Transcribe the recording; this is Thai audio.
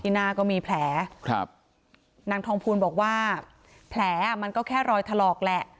หน้าก็มีแผลครับนางทองภูลบอกว่าแผลอ่ะมันก็แค่รอยถลอกแหละ